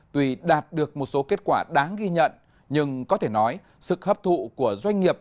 tuy đạt được một số kết quả đáng ghi nhận nhưng có thể nói sự hấp thụ của doanh nghiệp